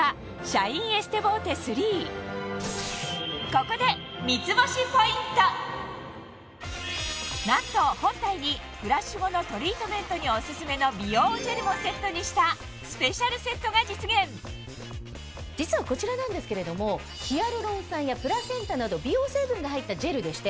・ここでなんと本体にフラッシュ後のトリートメントにオススメの美容ジェルもセットにした実はこちらなんですけれどもヒアルロン酸やプラセンタなど美容成分が入ったジェルでして。